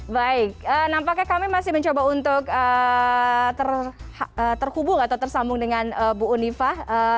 baik nampaknya kami masih mencoba untuk terhubung atau tersambung dengan bu unifah